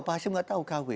pak hasim nggak tahu kw